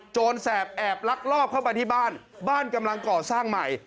แสบแอบลักลอบเข้ามาที่บ้านบ้านกำลังก่อสร้างใหม่